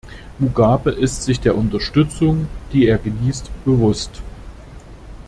Mugabe ist sich der Unterstützung, die er genießt, bewusst.